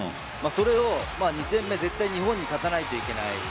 それを２戦目絶対日本に勝たないといけない。